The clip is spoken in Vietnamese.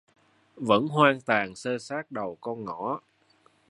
Vẫn hoang tàn xơ xác đầu con ngõ